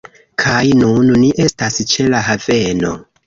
Kaj nun ni estas ĉe la haveno